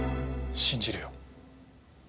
信じるよ。